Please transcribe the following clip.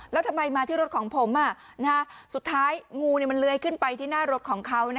แล้วทำไมมาที่รถของผมสุดท้ายงูมันเลื้อยขึ้นไปที่หน้ารถของเขา